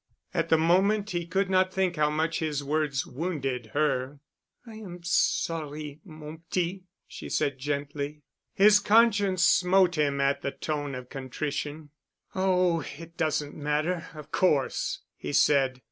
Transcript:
At the moment he could not think how much his words wounded her. "I am sorry, mon petit," she said gently. His conscience smote him at the tone of contrition. "Oh, it doesn't matter, of course," he said.